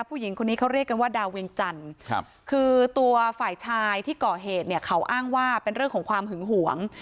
ผู้หญิงคนนี้เขาเรียกกันว่าดาวเวียงจันทร์คือตัวฝ่ายชายที่ก่อเหตุเนี่ยเขาอ้างว่าเป็นเรื่องของความหึงหวง